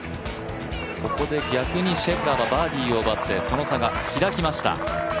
ここで逆にシェフラーがバーディーを奪って、その差が開きました。